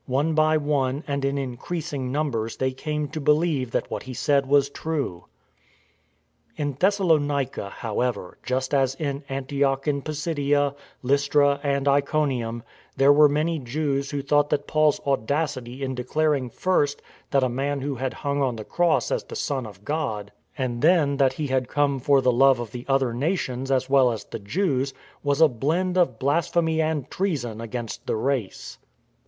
One by one and in increasing numbers they came to believe that what he said was true. In Thessalonica, however, just as in Antioch in Pisidia, Lystra, and Iconium, there were many Jews who thought that Paul's audacity in declaring first that a Man who had hung on the cross as the Son of God, and then that He had come for the love of the other nations as well as the Jews, was a blend of blas phemy and treason against the race.